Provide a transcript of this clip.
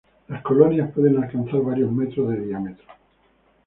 Las colonias pueden alcanzar varios metros de diámetro.